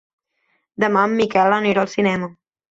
Demà en Miquel anirà al cinema.